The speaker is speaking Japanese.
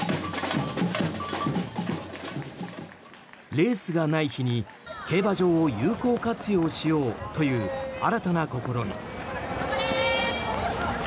レースがない日に競馬場を有効活用しようという新たな試み。